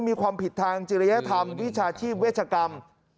มีความผิดทางจิริยธรรมวิชาชีพเวชกรรม